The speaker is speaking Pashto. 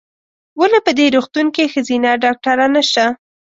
ولې په دي روغتون کې ښځېنه ډاکټره نشته ؟